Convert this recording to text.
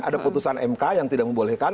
ada putusan mk yang tidak membolehkan